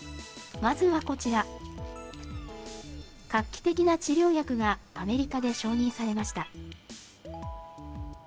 まずはこちら、画期的な治療薬がアメリカで承認されました。